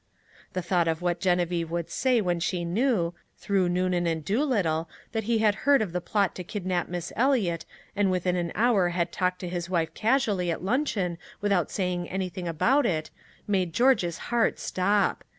The thought of what Genevieve would say when she knew, through Noonan and Doolittle, that he had heard of the plot to kidnap Miss Eliot, and within an hour had talked to his wife casually at luncheon without saying anything about it, made George's heart stop.